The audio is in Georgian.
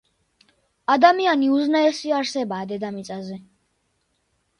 ადამიანი უზენაესი არსებაა დედამიწაზე.